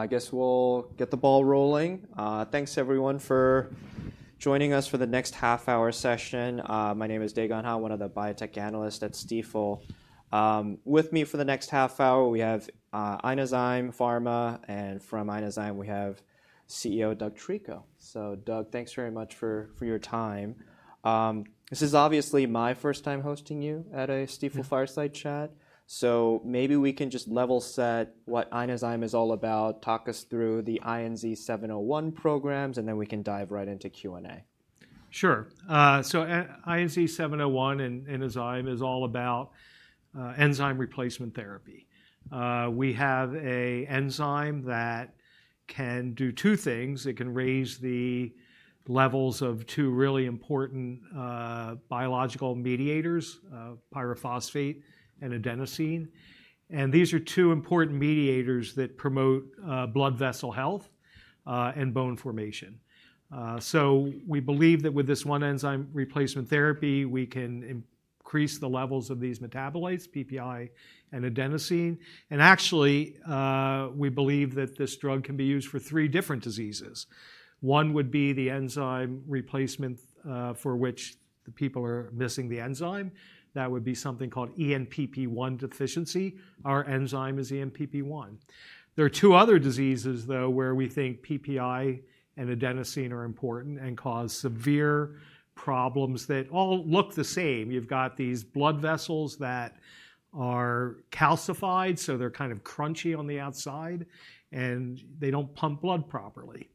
I guess we'll get the ball rolling. Thanks, everyone, for joining us for the next half-hour session. My name is Dae Gon Ha, one of the biotech analysts at Stifel. With me for the next half hour, we have Inozyme Pharma, and from Inozyme, we have CEO Doug Treco. So, Doug, thanks very much for your time. This is obviously my first time hosting you at a Stifel fireside chat. So maybe we can just level set what Inozyme is all about, talk us through the INZ-701 programs, and then we can dive right into Q&A. Sure, so INZ-701 and Inozyme is all about enzyme replacement therapy. We have an enzyme that can do two things. It can raise the levels of two really important biological mediators, pyrophosphate and adenosine. And these are two important mediators that promote blood vessel health and bone formation. So we believe that with this one enzyme replacement therapy, we can increase the levels of these metabolites, PPi and adenosine. And actually, we believe that this drug can be used for three different diseases. One would be the enzyme replacement for which the people are missing the enzyme. That would be something called ENPP1 deficiency. Our enzyme is ENPP1. There are two other diseases, though, where we think PPi and adenosine are important and cause severe problems that all look the same. You've got these blood vessels that are calcified, so they're kind of crunchy on the outside, and they don't pump blood properly.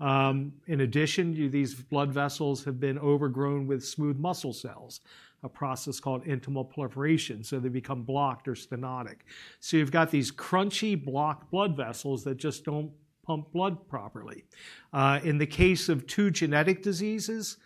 In addition, these blood vessels have been overgrown with smooth muscle cells, a process called intimal proliferation, so they become blocked or stenotic. So you've got these crunchy, blocked blood vessels that just don't pump blood properly. In the case of two genetic diseases,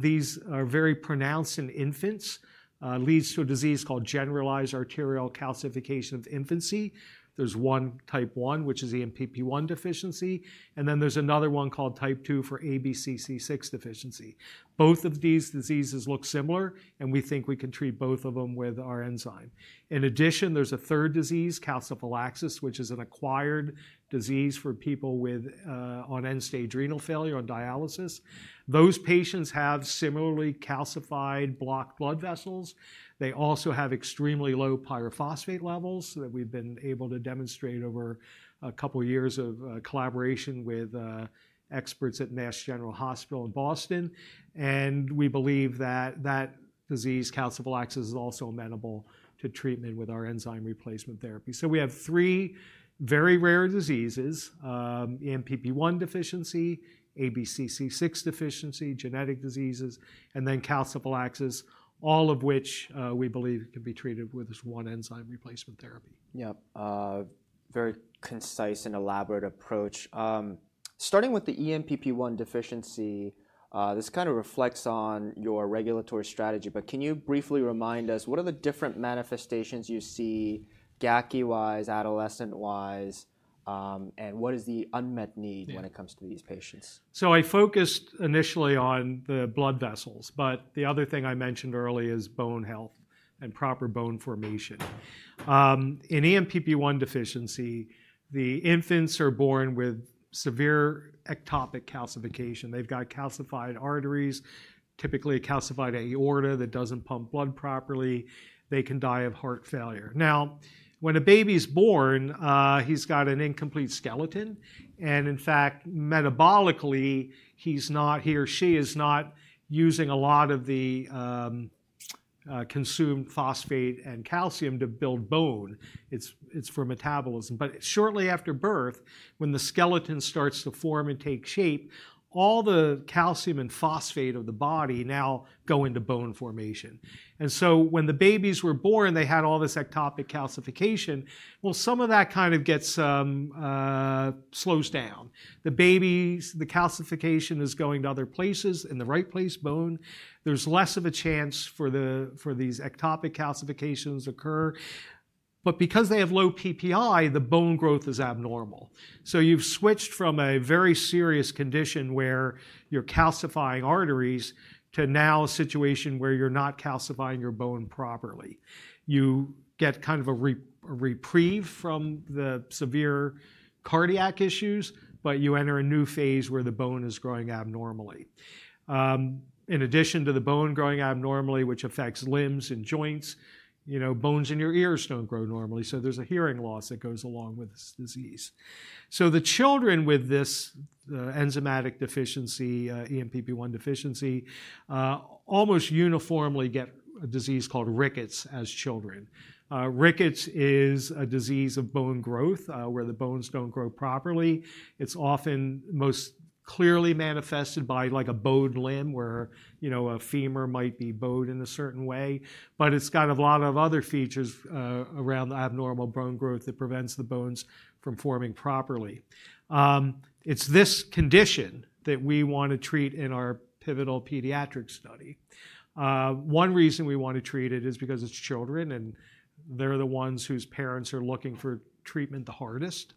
these are very pronounced in infants, leads to a disease called Generalized Arterial Calcification of Infancy. There's one type 1, which is ENPP1 deficiency. And then there's another one called type 2 for ABCC6 deficiency. Both of these diseases look similar, and we think we can treat both of them with our enzyme. In addition, there's a third disease, calciphylaxis, which is an acquired disease for people on end-stage renal failure on dialysis. Those patients have similarly calcified, blocked blood vessels. They also have extremely low pyrophosphate levels that we've been able to demonstrate over a couple of years of collaboration with experts at Mass General Hospital in Boston. And we believe that that disease, calciphylaxis, is also amenable to treatment with our enzyme replacement therapy. So we have three very rare diseases: ENPP1 deficiency, ABCC6 deficiency, genetic diseases, and then calciphylaxis, all of which we believe can be treated with this one enzyme replacement therapy. Yep. Very concise and elaborate approach. Starting with the ENPP1 deficiency, this kind of reflects on your regulatory strategy, but can you briefly remind us, what are the different manifestations you see GACI-wise, adolescent-wise, and what is the unmet need when it comes to these patients? I focused initially on the blood vessels, but the other thing I mentioned early is bone health and proper bone formation. In ENPP1 deficiency, the infants are born with severe ectopic calcification. They've got calcified arteries, typically a calcified aorta that doesn't pump blood properly. They can die of heart failure. Now, when a baby's born, he's got an incomplete skeleton. And in fact, metabolically, he's not, he or she is not using a lot of the consumed phosphate and calcium to build bone. It's for metabolism. But shortly after birth, when the skeleton starts to form and take shape, all the calcium and phosphate of the body now go into bone formation. And so when the babies were born, they had all this ectopic calcification. Some of that kind of gets slowed down. The baby, the calcification is going to other places, in the right place, bone. There's less of a chance for these ectopic calcifications to occur, but because they have low PPi, the bone growth is abnormal. So you've switched from a very serious condition where you're calcifying arteries to now a situation where you're not calcifying your bone properly. You get kind of a reprieve from the severe cardiac issues, but you enter a new phase where the bone is growing abnormally. In addition to the bone growing abnormally, which affects limbs and joints, bones in your ears don't grow normally. So there's a hearing loss that goes along with this disease, so the children with this enzymatic deficiency, ENPP1 deficiency, almost uniformly get a disease called rickets as children. Rickets is a disease of bone growth where the bones don't grow properly. It's often most clearly manifested by like a bowed limb where a femur might be bowed in a certain way. But it's got a lot of other features around the abnormal bone growth that prevents the bones from forming properly. It's this condition that we want to treat in our pivotal pediatric study. One reason we want to treat it is because it's children, and they're the ones whose parents are looking for treatment the hardest.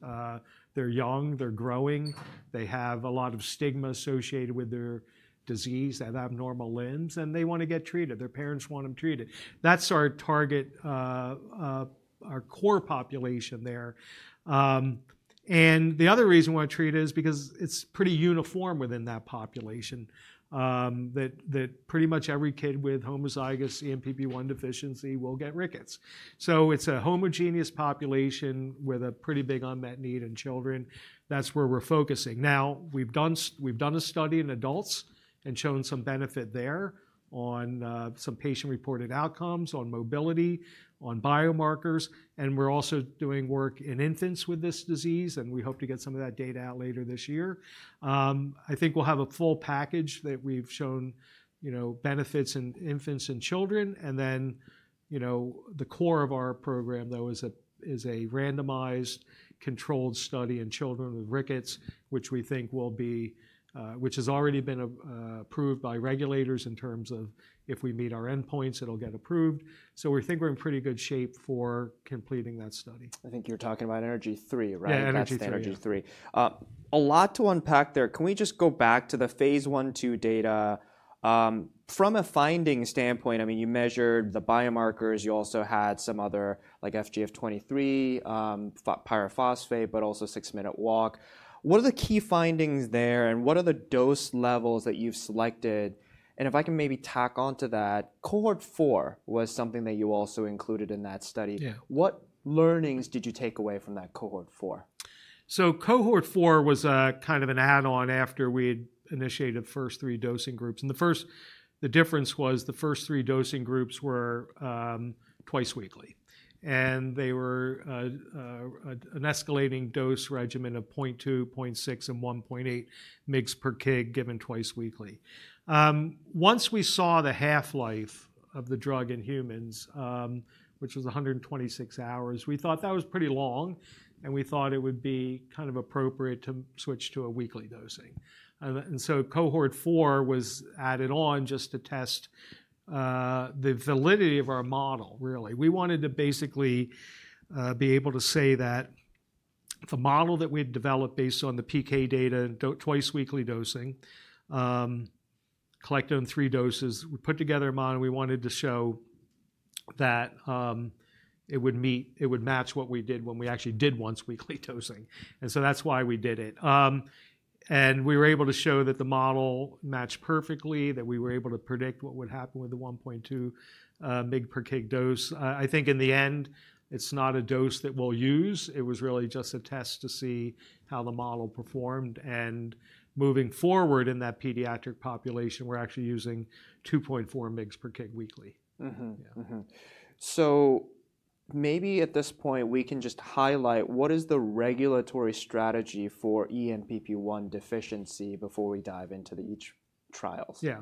They're young, they're growing, they have a lot of stigma associated with their disease, they have abnormal limbs, and they want to get treated. Their parents want them treated. That's our target, our core population there. And the other reason we want to treat it is because it's pretty uniform within that population that pretty much every kid with homozygous ENPP1 deficiency will get rickets. So it's a homogeneous population with a pretty big unmet need in children. That's where we're focusing. Now, we've done a study in adults and shown some benefit there on some patient-reported outcomes, on mobility, on biomarkers. And we're also doing work in infants with this disease, and we hope to get some of that data out later this year. I think we'll have a full package that we've shown benefits in infants and children. And then the core of our program, though, is a randomized controlled study in children with rickets, which we think will be, which has already been approved by regulators in terms of if we meet our endpoints, it'll get approved. So we think we're in pretty good shape for completing that study. I think you're talking ENERGY-3, right? yeah, ENERGY-3. ENERGY-3. A lot to unpack there. Can we just go back to the phase 1/2 data? From a finding standpoint, I mean, you measured the biomarkers, you also had some other like FGF23, pyrophosphate, but also six-minute walk. What are the key findings there, and what are the dose levels that you've selected? And if I can maybe tack on to that, cohort four was something that you also included in that study. What learnings did you take away from that cohort four? Cohort four was kind of an add-on after we had initiated the first three dosing groups. The difference was the first three dosing groups were twice weekly. They were an escalating dose regimen of 0.2, 0.6, and 1.8 mg per kg given twice weekly. Once we saw the half-life of the drug in humans, which was 126 hours, we thought that was pretty long, and we thought it would be kind of appropriate to switch to a weekly dosing. Cohort four was added on just to test the validity of our model, really. We wanted to basically be able to say that the model that we had developed based on the PK data and twice weekly dosing, collected on three doses, we put together a model, and we wanted to show that it would meet, it would match what we did when we actually did once weekly dosing, and so that's why we did it. We were able to show that the model matched perfectly, that we were able to predict what would happen with the 1.2 mg per kg dose. I think in the end, it's not a dose that we'll use. It was really just a test to see how the model performed. Moving forward in that pediatric population, we're actually using 2.4 mg per kg weekly. So maybe at this point, we can just highlight what is the regulatory strategy for ENPP1 deficiency before we dive into the phase trials? Yeah.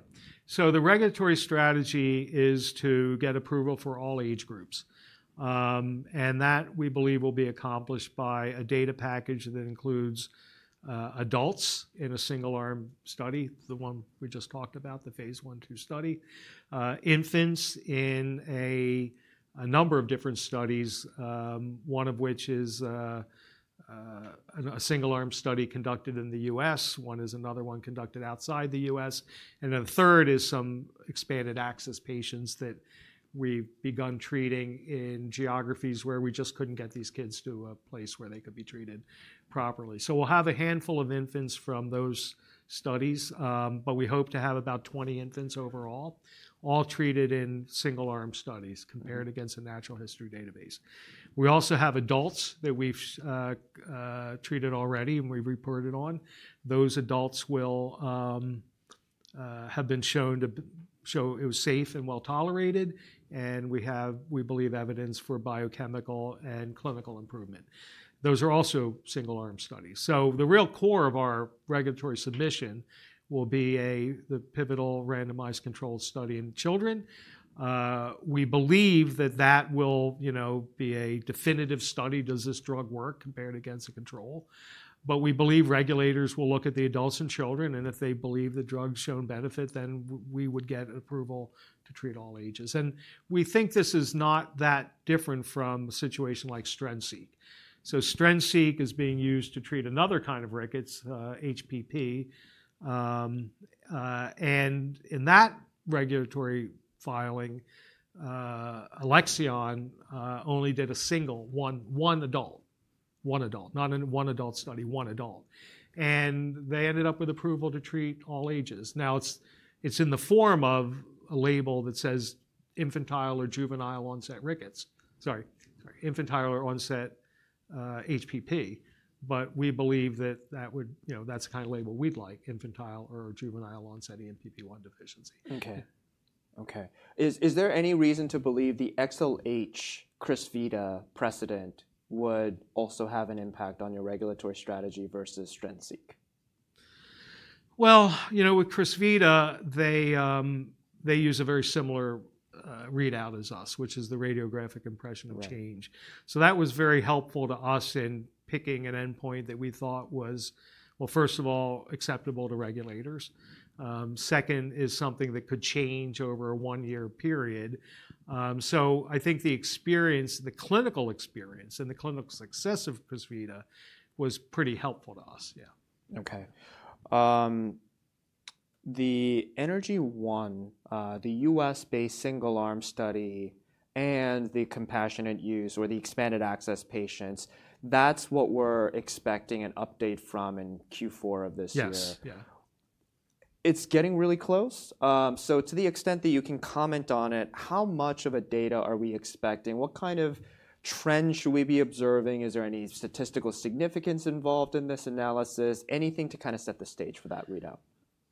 So the regulatory strategy is to get approval for all age groups, and that we believe will be accomplished by a data package that includes adults in a single-arm study, the one we just talked about, the phase 1/2 study. Infants in a number of different studies, one of which is a single-arm study conducted in the U.S., one is another one conducted outside the U.S., and then the third is some expanded access patients that we've begun treating in geographies where we just couldn't get these kids to a place where they could be treated properly, so we'll have a handful of infants from those studies, but we hope to have about 20 infants overall, all treated in single-arm studies compared against a natural history database. We also have adults that we've treated already and we've reported on. Those adults have been shown it was safe and well tolerated, and we believe evidence for biochemical and clinical improvement. Those are also single-arm studies. So the real core of our regulatory submission will be the pivotal randomized controlled study in children. We believe that that will be a definitive study, does this drug work compared against the control. But we believe regulators will look at the adults and children, and if they believe the drug has shown benefit, then we would get approval to treat all ages. And we think this is not that different from a situation like Strensiq. So Strensiq is being used to treat another kind of rickets, HPP. And in that regulatory filing, Alexion only did a single adult study. And they ended up with approval to treat all ages. Now, it's in the form of a label that says infantile or juvenile onset rickets. Sorry, infantile or onset HPP. But we believe that that would, that's the kind of label we'd like, infantile or juvenile onset ENPP1 deficiency. Is there any reason to believe the XLH, Crysvita precedent would also have an impact on your regulatory strategy versus Strensiq? You know, with Crysvita, they use a very similar readout as us, which is the radiographic impression of change. So that was very helpful to us in picking an endpoint that we thought was, well, first of all, acceptable to regulators. Second is something that could change over a one-year period. So I think the experience, the clinical experience and the clinical success of Crysvita was pretty helpful to us. Yeah. Okay. ENERGY-1, the U.S.-based single-arm study and the compassionate use or the expanded access patients, that's what we're expecting an update from in Q4 of this year. Yes. Yeah. It's getting really close, so to the extent that you can comment on it, how much of a data are we expecting? What kind of trend should we be observing? Is there any statistical significance involved in this analysis? Anything to kind of set the stage for that readout?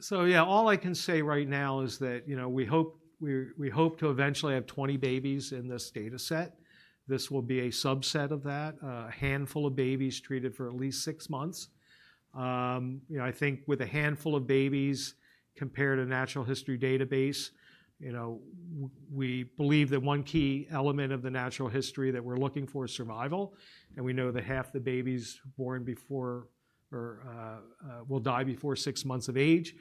So yeah, all I can say right now is that we hope to eventually have 20 babies in this data set. This will be a subset of that, a handful of babies treated for at least six months. I think with a handful of babies compared to a natural history database, we believe that one key element of the natural history that we're looking for is survival. And we know that half the babies born before or will die before six months of age.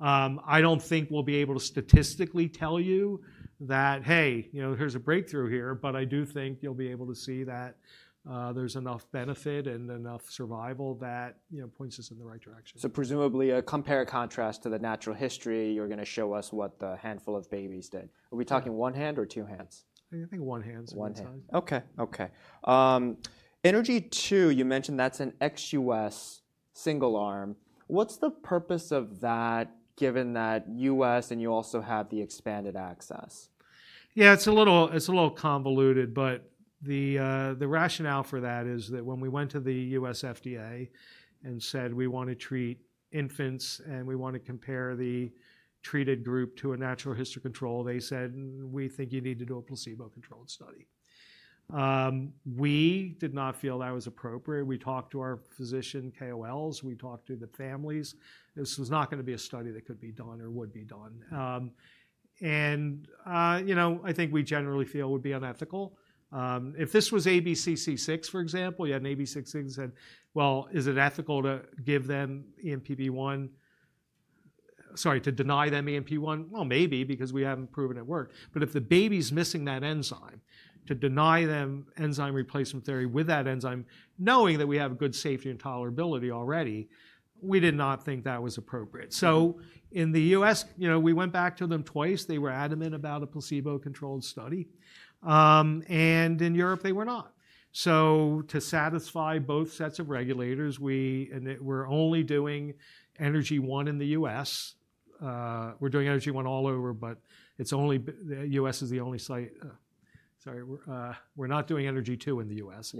I don't think we'll be able to statistically tell you that, hey, here's a breakthrough here, but I do think you'll be able to see that there's enough benefit and enough survival that points us in the right direction. So presumably a compare contrast to the natural history, you're going to show us what the handful of babies did. Are we talking one hand or two hands? I think one hands are going to tell you. ENERGY-2, you mentioned that's an ex-US single-arm. What's the purpose of that given that in the US and you also have the expanded access? Yeah, it's a little convoluted, but the rationale for that is that when we went to the U.S. FDA and said we want to treat infants and we want to compare the treated group to a natural history control, they said, we think you need to do a placebo-controlled study. We did not feel that was appropriate. We talked to our physician KOLs, we talked to the families. This was not going to be a study that could be done or would be done. And I think we generally feel would be unethical. If this was ABCC6, for example, you had an ABCC6 and said, well, is it ethical to give them ENPP1, sorry, to deny them ENPP1? Well, maybe because we haven't proven it worked. But if the baby's missing that enzyme, to deny them enzyme replacement therapy with that enzyme, knowing that we have good safety and tolerability already, we did not think that was appropriate. So in the U.S., we went back to them twice. They were adamant about a placebo-controlled study, and in Europe, they were not, so to satisfy both sets of regulators, we were only ENERGY-1 in the U.S. We're ENERGY-1 all over, but it's only U.S. It's the only site. Sorry, we're not ENERGY-2 in the U.S.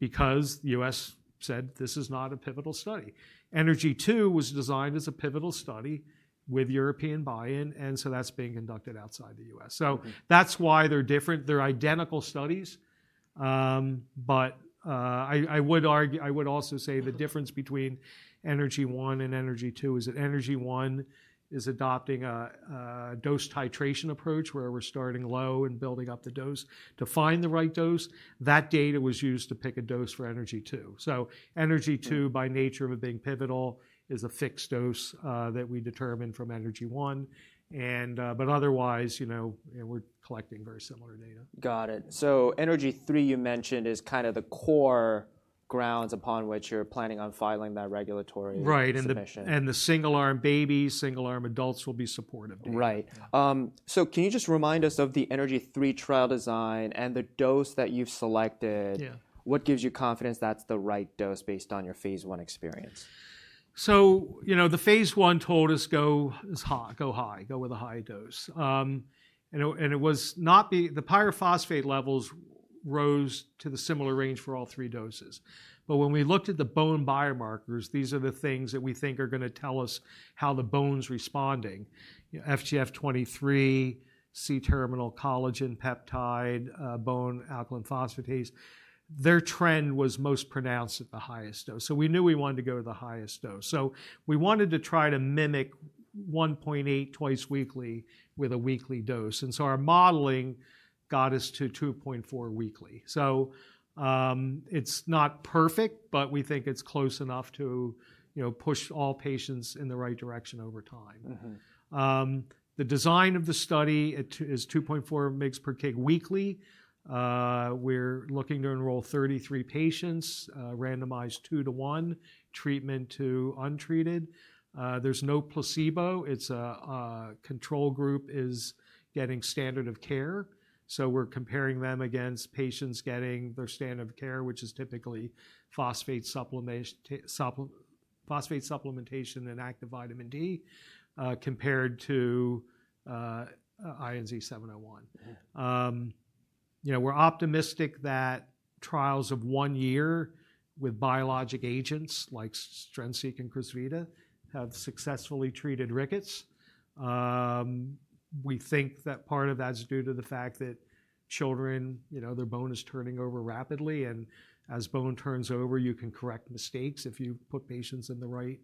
because the U.S. said this is not a pivotal ENERGY-2 was designed as a pivotal study with European buy-in, and so that's being conducted outside the U.S., so that's why they're different. They're identical studies. I would also say the difference ENERGY-1 ENERGY-2 is ENERGY-1 is adopting a dose titration approach where we're starting low and building up the dose to find the right dose. That data was used to pick a dose ENERGY-2, by nature of it being pivotal, is a fixed dose that we determine ENERGY-1. otherwise, we're collecting very similar data. Got it. ENERGY-3 you mentioned is kind of the core grounds upon which you're planning on filing that regulatory submission. Right. And the single-arm babies, single-arm adults will be supportive. Right. So can you just remind us of ENERGY-3 trial design and the dose that you've selected? What gives you confidence that's the right dose based on your phase I experience? The phase I told us go high, go with a high dose. It was not. The pyrophosphate levels rose to a similar range for all three doses. When we looked at the bone biomarkers, these are the things that we think are going to tell us how the bone's responding. FGF23, C-terminal collagen peptide, bone alkaline phosphatase, their trend was most pronounced at the highest dose. We knew we wanted to go to the highest dose. We wanted to try to mimic 1.8 twice weekly with a weekly dose. Our modeling got us to 2.4 weekly. It's not perfect, but we think it's close enough to push all patients in the right direction over time. The design of the study is 2.4 mg per kg weekly. We're looking to enroll 33 patients, randomized two to one, treatment to untreated. There's no placebo. The control group is getting standard of care, so we're comparing them against patients getting their standard of care, which is typically phosphate supplementation and active vitamin D compared to INZ-701. We're optimistic that trials of one year with biologic agents like Strensiq and Crysvita have successfully treated rickets. We think that part of that's due to the fact that children, their bone is turning over rapidly, and as bone turns over, you can correct mistakes if you put patients in the right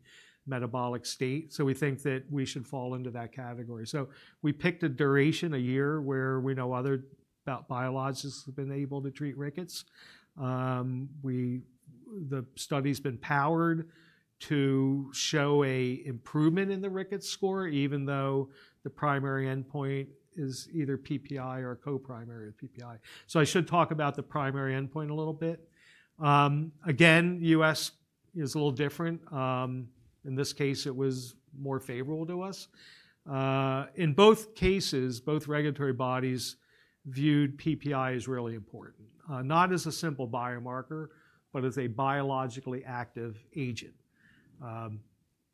metabolic state, so we think that we should fall into that category, so we picked a duration, a year where we know other biologics have been able to treat rickets. The study's been powered to show an improvement in the rickets score, even though the primary endpoint is either PPi or co-primary of PPi. So I should talk about the primary endpoint a little bit. Again, U.S. is a little different. In this case, it was more favorable to us. In both cases, both regulatory bodies viewed PPi as really important, not as a simple biomarker, but as a biologically active agent.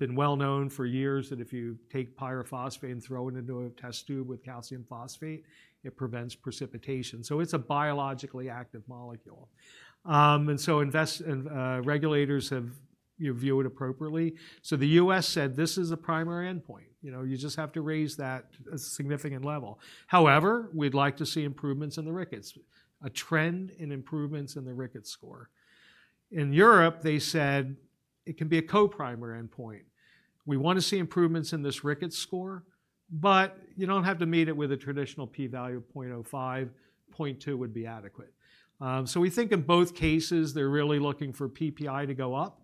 Been well known for years that if you take pyrophosphate and throw it into a test tube with calcium phosphate, it prevents precipitation. So it's a biologically active molecule. And so regulators have viewed it appropriately. So the U.S. said, this is a primary endpoint. You just have to raise that a significant level. However, we'd like to see improvements in the Rickets, a trend in improvements in the rickets score. In Europe, they said it can be a co-primary endpoint. We want to see improvements in this rickets score, but you don't have to meet it with a traditional p-value of 0.05. 0.2 would be adequate. So we think in both cases, they're really looking for PPi to go up,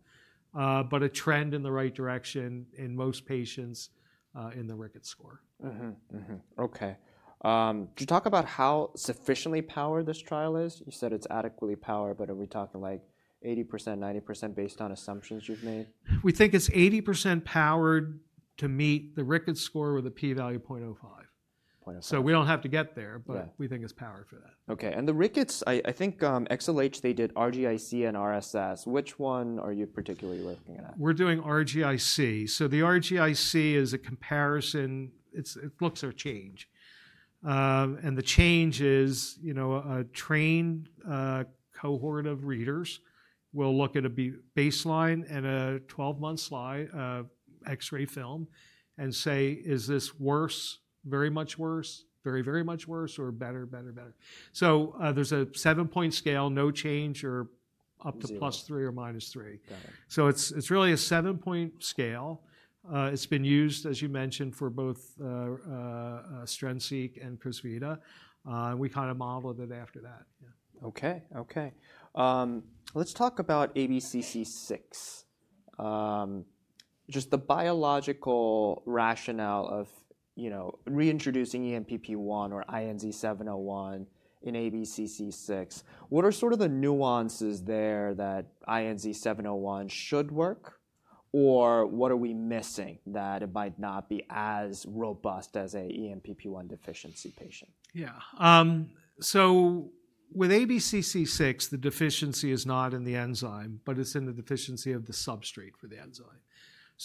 but a trend in the right direction in most patients in the rickets score. Okay. Could you talk about how sufficiently powered this trial is? You said it's adequately powered, but are we talking like 80%, 90% based on assumptions you've made? We think it's 80% powered to meet the rickets score with a p-value of 0.05. So we don't have to get there, but we think it's powered for that. Okay. And the rickets, I think XLH, they did RGI-C and RSS. Which one are you particularly looking at? We're doing RGI-C. So the RGI-C is a comparison. It looks at a change. And the change is a trained cohort of readers will look at a baseline and a 12-month slide X-ray film and say, is this worse, very much worse, very, very much worse, or better, better, better? So there's a seven-point scale, no change or up to plus three or minus three. So it's really a seven-point scale. It's been used, as you mentioned, for both Strensiq and Crysvita. We kind of modeled it after that. Yeah. Okay. Okay. Let's talk about ABCC6. Just the biological rationale of reintroducing ENPP1 or INZ-701 in ABCC6. What are sort of the nuances there that INZ-701 should work, or what are we missing that it might not be as robust as an ENPP1 deficiency patient? Yeah. With ABCC6, the deficiency is not in the enzyme, but it's in the deficiency of the substrate for the enzyme.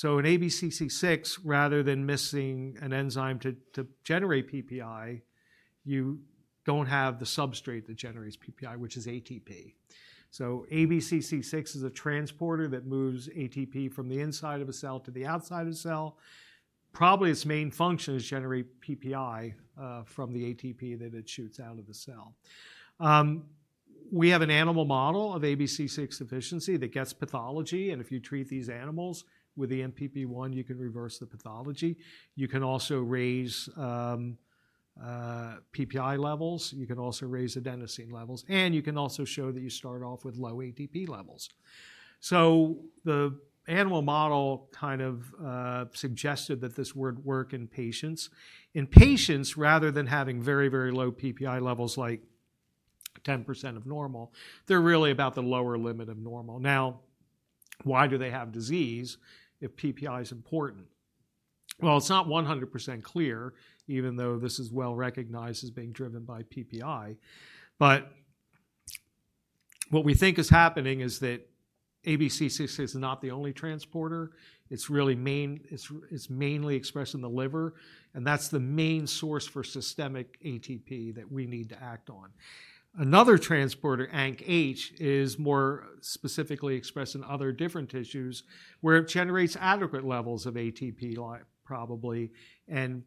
In ABCC6, rather than missing an enzyme to generate PPi, you don't have the substrate that generates PPi, which is ATP. ABCC6 is a transporter that moves ATP from the inside of a cell to the outside of the cell. Probably its main function is to generate PPi from the ATP that it shoots out of the cell. We have an animal model of ABCC6 deficiency that gets pathology. If you treat these animals with ENPP1, you can reverse the pathology. You can also raise PPi levels. You can also raise adenosine levels. You can also show that you start off with low ATP levels. The animal model kind of suggested that this would work in patients. In patients, rather than having very, very low PPi levels like 10% of normal, they're really about the lower limit of normal. Now, why do they have disease if PPi is important? Well, it's not 100% clear, even though this is well recognized as being driven by PPi. But what we think is happening is that ABCC6 is not the only transporter. It's mainly expressed in the liver. And that's the main source for systemic ATP that we need to act on. Another transporter, ANKH, is more specifically expressed in other different tissues where it generates adequate levels of ATP probably. And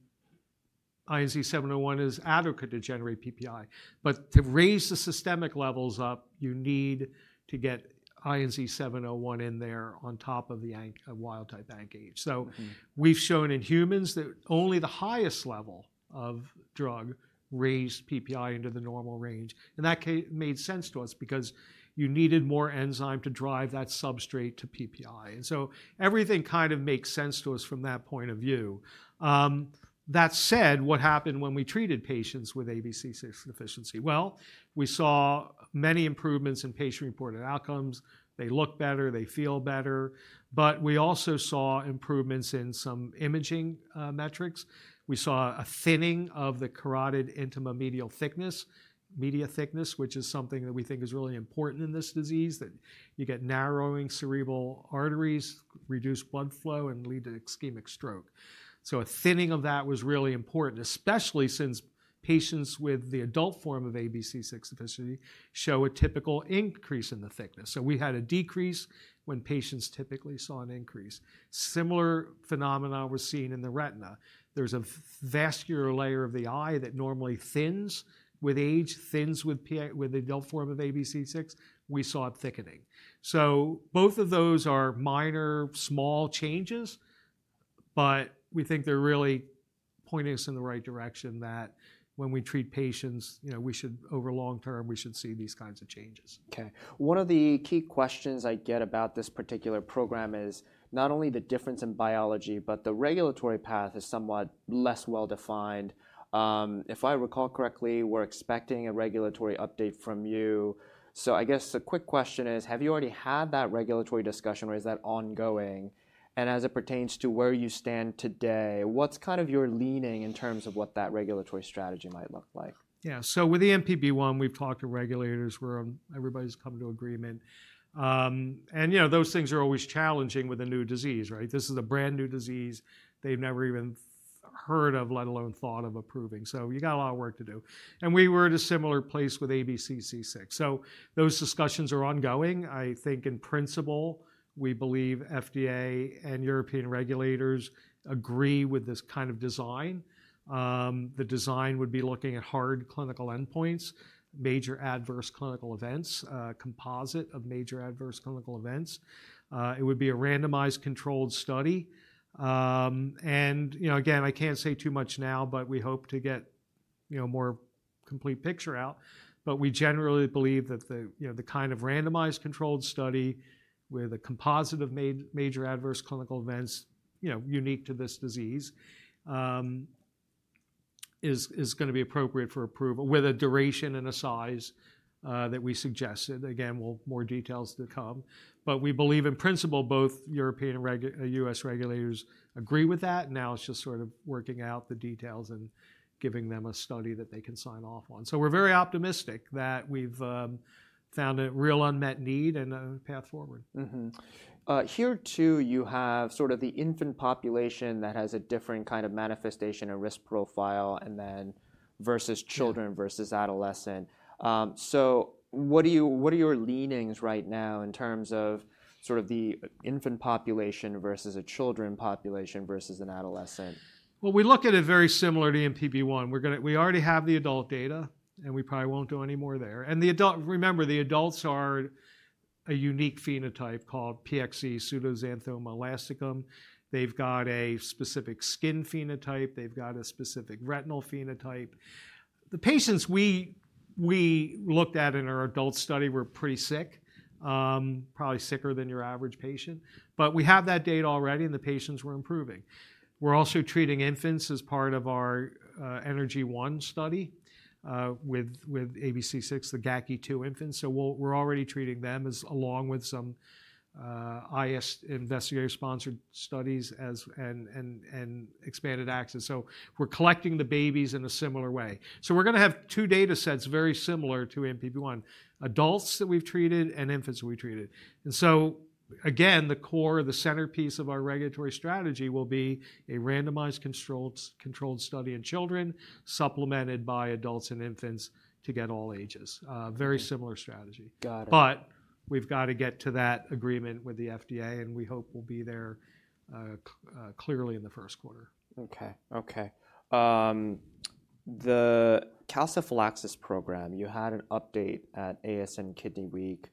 INZ-701 is adequate to generate PPi. But to raise the systemic levels up, you need to get INZ-701 in there on top of the wild-type ANKH. So we've shown in humans that only the highest level of drug raised PPi into the normal range. In that case, it made sense to us because you needed more enzyme to drive that substrate to PPi. And so everything kind of makes sense to us from that point of view. That said, what happened when we treated patients with ABCC6 deficiency? Well, we saw many improvements in patient-reported outcomes. They look better. They feel better. But we also saw improvements in some imaging metrics. We saw a thinning of the carotid intima-media thickness, which is something that we think is really important in this disease, that you get narrowing cerebral arteries, reduce blood flow, and lead to ischemic stroke. So a thinning of that was really important, especially since patients with the adult form of ABCC6 deficiency show a typical increase in the thickness. So we had a decrease when patients typically saw an increase. Similar phenomena were seen in the retina. There's a vascular layer of the eye that normally thins with age, thins with the adult form of ABCC6. We saw thickening. So both of those are minor, small changes, but we think they're really pointing us in the right direction that when we treat patients, we should over long term, we should see these kinds of changes. Okay. One of the key questions I get about this particular program is not only the difference in biology, but the regulatory path is somewhat less well defined. If I recall correctly, we're expecting a regulatory update from you. So I guess the quick question is, have you already had that regulatory discussion or is that ongoing? And as it pertains to where you stand today, what's kind of your leaning in terms of what that regulatory strategy might look like? Yeah. So with ENPP1, we've talked to regulators, where everybody's come to agreement. And those things are always challenging with a new disease, right? This is a brand new disease. They've never even heard of, let alone thought of approving. So you got a lot of work to do. And we were at a similar place with ABCC6. So those discussions are ongoing. I think in principle, we believe FDA and European regulators agree with this kind of design. The design would be looking at hard clinical endpoints, major adverse clinical events, composite of major adverse clinical events. It would be a randomized controlled study. And again, I can't say too much now, but we hope to get a more complete picture out. We generally believe that the kind of randomized controlled study with a composite of major adverse clinical events unique to this disease is going to be appropriate for approval with a duration and a size that we suggested. Again, more details to come. We believe in principle, both European and US regulators agree with that. Now it's just sort of working out the details and giving them a study that they can sign off on. We're very optimistic that we've found a real unmet need and a path forward. Here too, you have sort of the infant population that has a different kind of manifestation and risk profile versus children versus adolescent. So what are your leanings right now in terms of sort of the infant population versus a children population versus an adolescent? We look at it very similar to ENPP1. We already have the adult data, and we probably won't do any more there. And remember, the adults are a unique phenotype called PXE, pseudoxanthoma elasticum. They've got a specific skin phenotype. They've got a specific retinal phenotype. The patients we looked at in our adult study were pretty sick, probably sicker than your average patient. But we have that data already, and the patients were improving. We're also treating infants as part of our ENERGY-1 study with ABCC6, the GACI2 infants. So we're already treating them along with some IS investigator-sponsored studies and expanded access. So we're collecting the babies in a similar way. So we're going to have two data sets very similar to ENPP1, adults that we've treated and infants that we've treated. And so again, the core, the centerpiece of our regulatory strategy will be a randomized controlled study in children supplemented by adults and infants to get all ages. Very similar strategy. But we've got to get to that agreement with the FDA, and we hope we'll be there clearly in the first quarter. Okay. Okay. The calciphylaxis program, you had an update at ASN Kidney Week.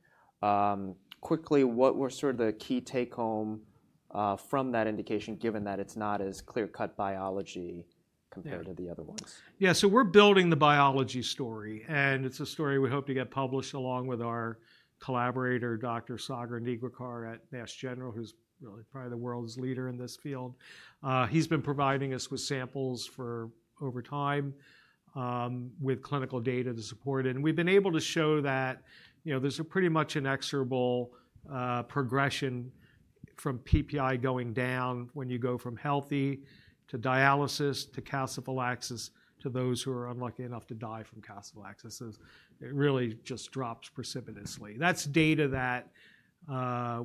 Quickly, what were sort of the key take home from that indication, given that it's not as clear-cut biology compared to the other ones? Yeah. So we're building the biology story. And it's a story we hope to get published along with our collaborator, Dr. Sagar Nigwekar at Mass General, who's really probably the world's leader in this field. He's been providing us with samples over time with clinical data to support it. And we've been able to show that there's a pretty much inexorable progression from PPi going down when you go from healthy to dialysis to calciphylaxis to those who are unlucky enough to die from calciphylaxis. It really just drops precipitously. That's data that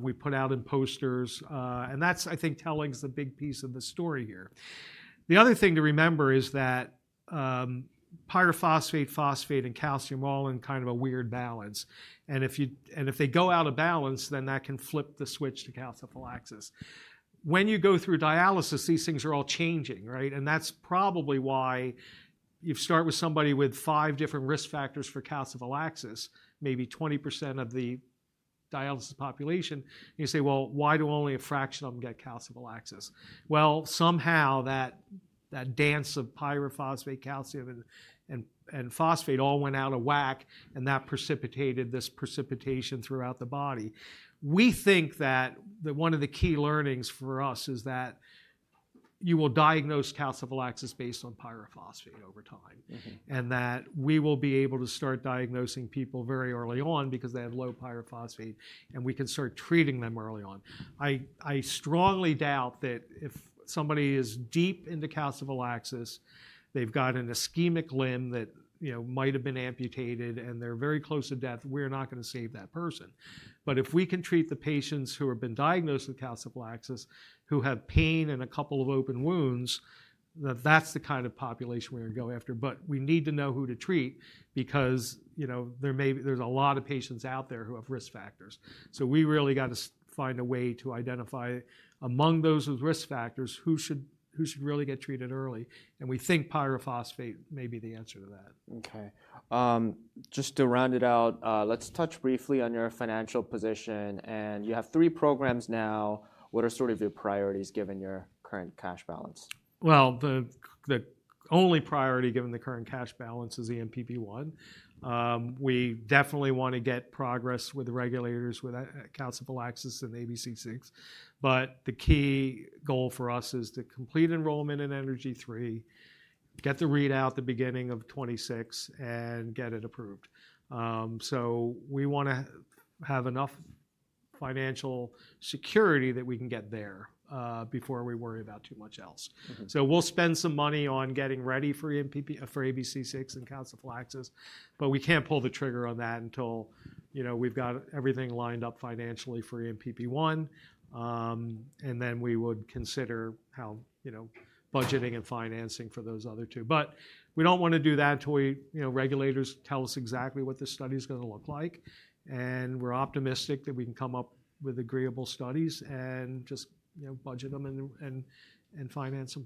we put out in posters. And that's, I think, telling is the big piece of the story here. The other thing to remember is that pyrophosphate, phosphate, and calcium all in kind of a weird balance. And if they go out of balance, then that can flip the switch to calciphylaxis. When you go through dialysis, these things are all changing, right? And that's probably why you start with somebody with five different risk factors for calciphylaxis, maybe 20% of the dialysis population. You say, well, why do only a fraction of them get calciphylaxis? Well, somehow that dance of pyrophosphate, calcium, and phosphate all went out of whack, and that precipitated this precipitation throughout the body. We think that one of the key learnings for us is that you will diagnose calciphylaxis based on pyrophosphate over time and that we will be able to start diagnosing people very early on because they have low pyrophosphate, and we can start treating them early on. I strongly doubt that if somebody is deep into calciphylaxis, they've got an ischemic limb that might have been amputated, and they're very close to death, we're not going to save that person. But if we can treat the patients who have been diagnosed with calciphylaxis, who have pain and a couple of open wounds, that's the kind of population we're going to go after. But we need to know who to treat because there's a lot of patients out there who have risk factors. So we really got to find a way to identify among those with risk factors who should really get treated early. And we think pyrophosphate may be the answer to that. Okay. Just to round it out, let's touch briefly on your financial position, and you have three programs now. What are sort of your priorities given your current cash balance? The only priority given the current cash balance is ENPP1. We definitely want to get progress with the regulators with calciphylaxis and ABCC6. The key goal for us is to complete enrollment ENERGY-3, get the readout at the beginning of 2026, and get it approved. We want to have enough financial security that we can get there before we worry about too much else. We'll spend some money on getting ready for ABCC6 and calciphylaxis, but we can't pull the trigger on that until we've got everything lined up financially for ENPP1. Then we would consider budgeting and financing for those other two. We don't want to do that until regulators tell us exactly what the study is going to look like. We're optimistic that we can come up with agreeable studies and just budget them and finance them.